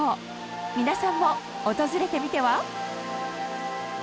皆さんも訪れてみては？